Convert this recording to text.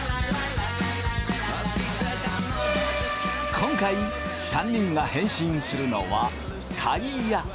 今回３人が変身するのはタイヤ。